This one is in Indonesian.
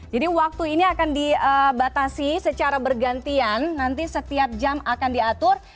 jadi waktu ini akan dibatasi secara bergantian nanti setiap jam akan diatur